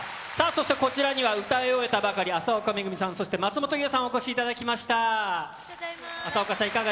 そしてこちらには、歌い終えたばかり、麻丘めぐみさん、そして松本伊代さん、お越しいただきました。